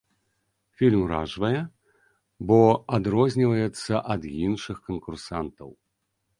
Фільм уражвае, бо адрозніваецца ад іншых канкурсантаў.